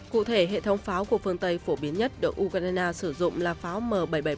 cụ thể hệ thống pháo của phương tây phổ biến nhất được ukraine sử dụng là pháo m bảy trăm bảy mươi bảy